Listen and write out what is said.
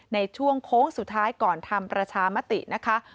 ในช่วงโค้งสุดท้ายก่อนทำประชามตินะคะ